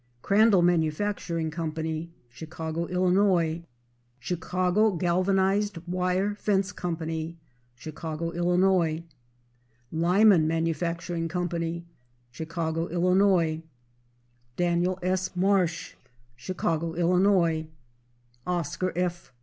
Crandal Manufacturing Co., Chicago, Ill. Chicago Galvanized Wire Fence Co., Chicago, Ill. Lyman Manufacturing Co., Chicago, Ill. Daniel S. Marsh, Chicago, Ill. Oscar F.